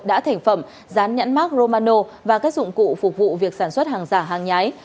đã thành phẩm rán nhãn mát romano và các dụng cụ phục vụ việc sản xuất hàng giả hàng nhái